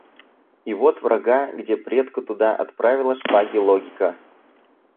И вот врага, где предку туда отправила шпаги логика.